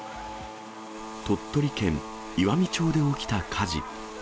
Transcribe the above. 鳥取県岩美町で起きた火事。